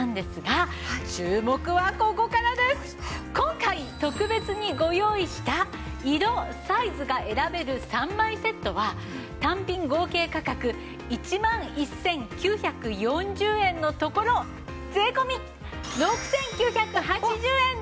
今回特別にご用意した色・サイズが選べる３枚セットは単品合計価格１万１９４０円のところ税込６９８０円です！